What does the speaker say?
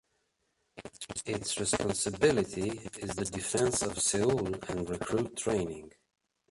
Its responsibility is the defense of Seoul and recruit training.